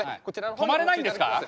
止まれないんですか？